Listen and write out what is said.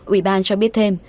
ủy ban cho biết thêm